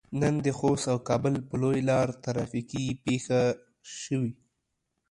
نن د خوست او کابل په لويه لار ترافيکي پېښه شوي.